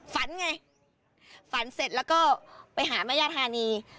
ฝันไงฝันเสร็จแล้วก็ไปหาแม่ย่าธานี